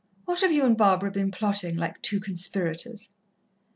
What have you and Barbara been plotting like two conspirators?"